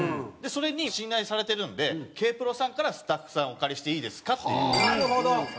それに信頼されてるんでＫ−ＰＲＯさんからスタッフさんお借りしていいですかっていう事で。